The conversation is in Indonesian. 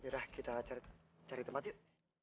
hai sudah kita cari cari tempat yuk